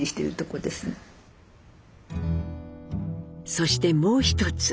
そしてもう一つ。